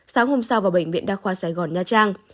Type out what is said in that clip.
sáng hôm sau vào bệnh viện đa khoa sài gòn nha trang